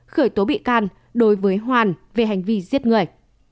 khởi tố bị can đối với hoàn về hành vi giết người